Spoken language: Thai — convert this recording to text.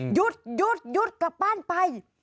หยุดหยุดกลับบ้านไป